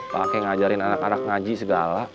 pakai ngajarin anak anak ngaji segala